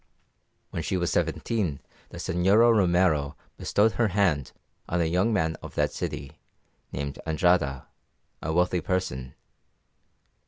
When she was seventeen the Señora Romero bestowed her hand on a young man of that city, named Andrada, a wealthy person.